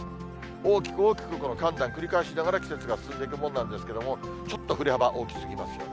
大きく大きくこの寒暖繰り返しながら、季節が進んでいくもんなんですけども、ちょっと振れ幅大きすぎますね。